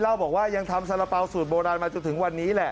เล่าบอกว่ายังทำสาระเป๋าสูตรโบราณมาจนถึงวันนี้แหละ